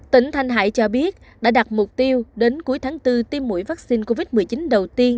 tỉnh thanh hải cho biết đã đặt mục tiêu đến cuối tháng bốn tiêm mũi vaccine covid một mươi chín đầu tiên